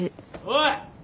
おい！